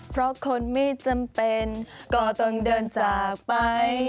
เพราะคนไม่จำเป็นก็ต้องเดินจากไป